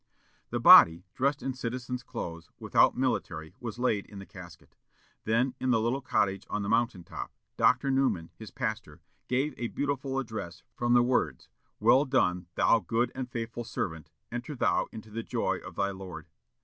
The body, dressed in citizen's clothes, without military, was laid in the casket. Then, in the little cottage on the mountain top, Dr. Newman, his pastor, gave a beautiful address, from the words, "Well done, thou good and faithful servant; enter thou into the joy of thy Lord."